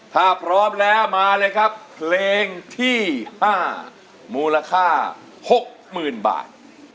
ถ้าพร้อมแล้วมาเลยครับเพลงที่๕มูลค่า๖๐๐๐บาท